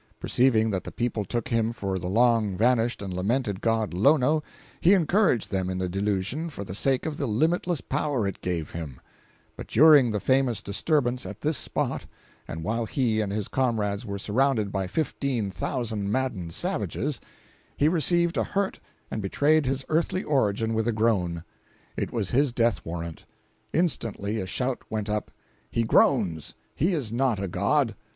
Perceiving that the people took him for the long vanished and lamented god Lono, he encouraged them in the delusion for the sake of the limitless power it gave him; but during the famous disturbance at this spot, and while he and his comrades were surrounded by fifteen thousand maddened savages, he received a hurt and betrayed his earthly origin with a groan. It was his death warrant. Instantly a shout went up: "He groans!—he is not a god!"